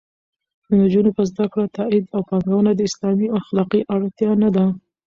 د نجونو په زده کړه تاکید او پانګونه اسلامي او اخلاقي اړتیا نه ده